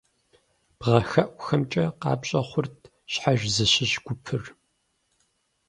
Бгъэхэӏухэмкӏэ къапщӏэ хъурт щхьэж зыщыщ гупыр.